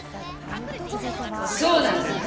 そうなんだな？